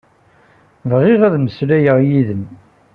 Bɣiɣ ad mmeslayeɣ yid-m.